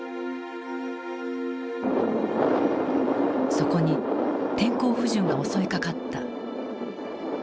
そこに天候不順が襲いかかった。